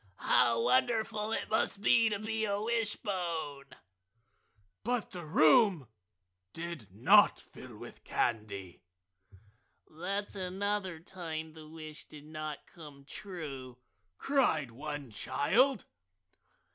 "How wonderful it must be to be a wishbone!" But the room did not fill with candy. "That's another time the wish did not come true!" cried one child.